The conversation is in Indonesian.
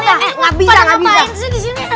eh ngapain sih disini